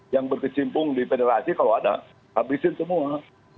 yang berkecimpung di federasi kalau ada habisin semua